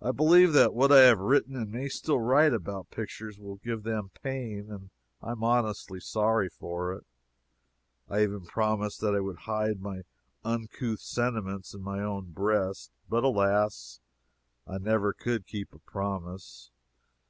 I believe that what I have written and may still write about pictures will give them pain, and I am honestly sorry for it. I even promised that I would hide my uncouth sentiments in my own breast. But alas! I never could keep a promise.